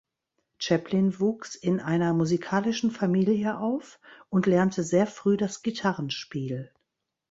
Chaplin wuchs in einer musikalischen Familie auf und lernte sehr früh das Gitarrenspiel.